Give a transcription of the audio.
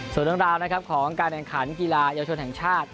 ส่วนดังราวด์ของการยังขาดกีฬายชนแห่งชาติ